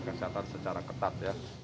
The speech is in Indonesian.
kesehatan secara ketat